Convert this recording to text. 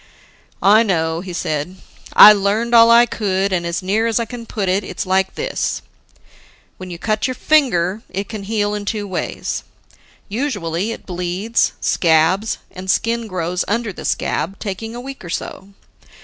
"I know," he said, "I learned all I could, and as near as I can put it, it's like this: When you cut your finger, it can heal in two ways. Usually it bleeds, scabs, and skin grows under the scab, taking a week or so.